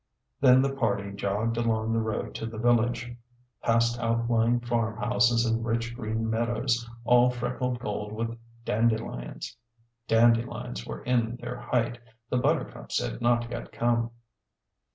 Then the party jogged along the road to the village, past outlying farm houses and rich green meadows, all freckled gold with dan delions. Dandelions were in their height ; the buttercups had not yet come.